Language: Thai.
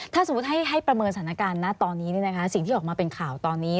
ถ้าสมมุติให้ประเมินสถานการณ์นะตอนนี้สิ่งที่ออกมาเป็นข่าวตอนนี้